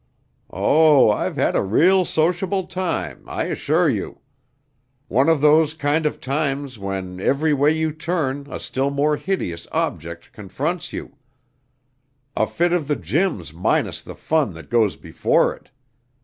Oh, I've had a real sociable time, I assure you! One of those kind of times when every way you turn a still more hideous object confronts you; a fit of the jims minus the fun that goes before it.